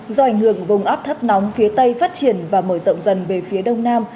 do ảnh hưởng vùng ấp thấp nóng phía tây phát triển và mở rộng dần về phía đông nam